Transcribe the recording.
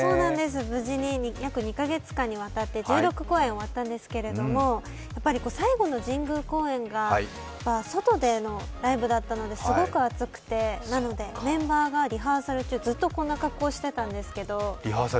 無事に約２か月間にわたって１６公演終わったんですけど、最後の神宮公演が外でのライブだったのですごく暑くてメンバーがリハーサル中、ずっとこんな格好していたんですけど。